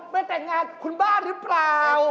ไปแต่งงานคุณบ้าหรือเปล่า